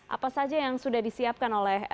apa saja yang sudah disiapkan oleh